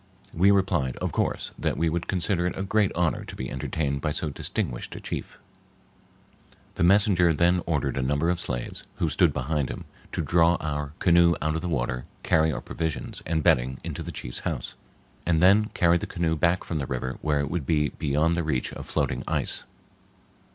We replied, of course, that we would consider it a great honor to be entertained by so distinguished a chief. The messenger then ordered a number of slaves, who stood behind him, to draw our canoe out of the water, carry our provisions and bedding into the chief's house, and then carry the canoe back from the river where it would be beyond the reach of floating ice.